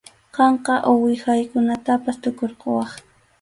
Qamqa uwihaykunatapas tukurquwaq.